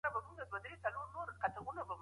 چي یې وپوښتله نورو پشوګانو